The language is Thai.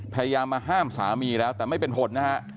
พยายามมาห้ามสามีแล้วแต่ไม่เป็นผลนะฮะ